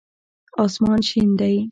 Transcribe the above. آسمان شين دی.